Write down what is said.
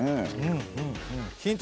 ヒント